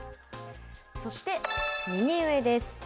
そして右上です。